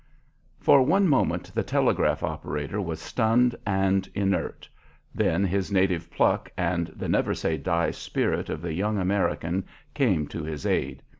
For one moment the telegraph operator was stunned and inert. Then his native pluck and the never say die spirit of the young American came to his aid.